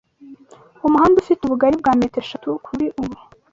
Umuhanda ufite ubugari bwa metero eshatu kuri ubu.